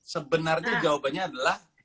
sebenarnya jawabannya adalah